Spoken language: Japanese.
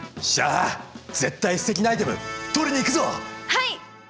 はい！